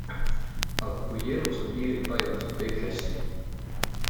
Aga kui elus on piirid paigas, on kõik hästi.